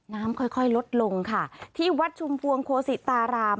น้ำค่อยค่อยลดลงค่ะที่วัดชุมพวงโคศิตาราม